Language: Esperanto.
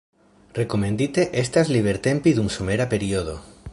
Rekomendite estas libertempi dum somera periodo.